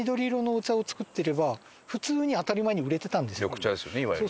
緑茶ですよねいわゆる。